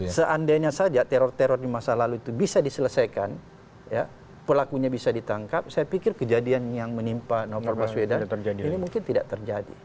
seandainya saja teror teror di masa lalu itu bisa diselesaikan pelakunya bisa ditangkap saya pikir kejadian yang menimpa novel baswedan ini mungkin tidak terjadi